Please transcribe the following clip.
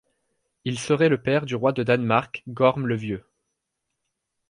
Il serait le père du roi de Danemark Gorm le Vieux.